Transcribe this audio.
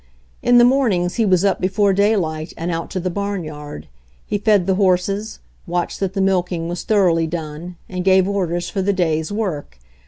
In the mornings he was up before daylight, and out to the barn yard. He fed the horses, watched that the milking was thoroughly done, and gave orders for the day's work.